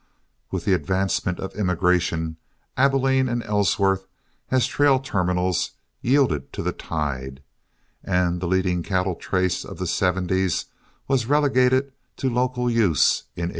With the advancement of immigration, Abilene and Ellsworth as trail terminals yielded to the tide, and the leading cattle trace of the '70's was relegated to local use in '84.